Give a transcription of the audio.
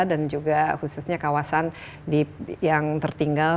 dan juga khususnya kawasan yang tertinggal